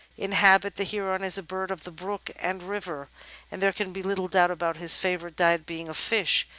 In habit the Heron is a bird of the brook and river, and there can be little doubt about his favourite diet being of fish.